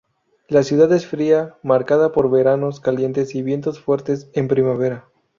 La ciudad es fría, marcada por veranos calientes y vientos fuertes en primavera.